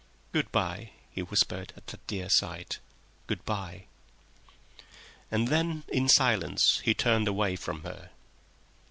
"Good bye!" he whispered to that dear sight, "good bye!" And then in silence he turned away from her.